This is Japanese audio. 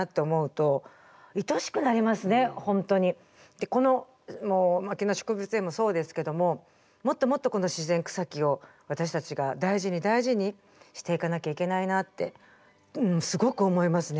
でこの牧野植物園もそうですけどももっともっと自然草木を私たちが大事に大事にしていかなきゃいけないなってすごく思いますね。